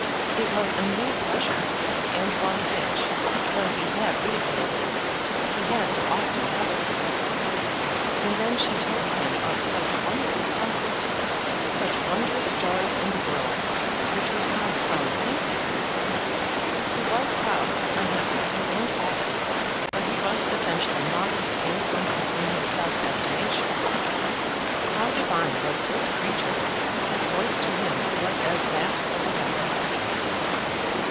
It was a new pleasure, and one which, though he had ridiculed it, he had so often coveted! And then she told him of such wondrous thoughts, such wondrous joys in the world which would come from thinking! He was proud, I have said, and haughty; but he was essentially modest and humble in his self estimation. How divine was this creature, whose voice to him was as that of a goddess!